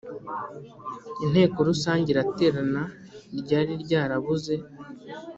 Inteko Rusange iraterana ryari ryarabuze